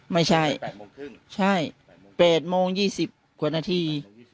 ไม่ใช่แปดโมงครึ่งใช่แปดโมงยี่สิบกว่านาทีแปดโมงยี่สิบกว่านาที